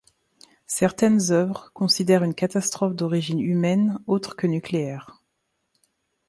Certaines œuvres considèrent une catastrophe d'origine humaine autre que nucléaire.